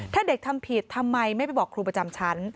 ถ้าเด็กทำผิดทำไมไม่ไปบอกครูประจำชั้น